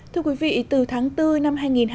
thưa quý vị từ tháng bốn năm hai nghìn hai mươi